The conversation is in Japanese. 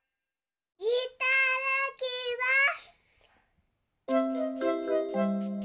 いただきます！